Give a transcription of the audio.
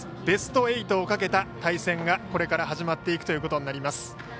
ベスト８をかけた対戦がこれから始まっていくということになります。